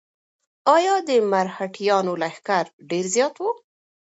ایا د مرهټیانو لښکر ډېر زیات و؟